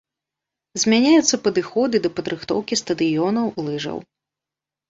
Змяняюцца падыходы да падрыхтоўкі стадыёнаў, лыжаў.